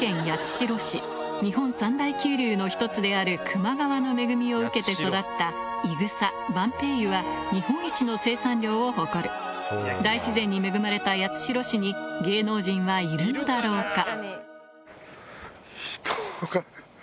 日本三大急流の１つである球磨川の恵みを受けて育ったは日本一の生産量を誇る大自然に恵まれた八代市に芸能人はいるのだろうか？